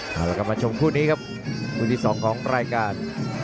เอาละกลับมาชมคู่นี้ครับวิธีสองของรายการ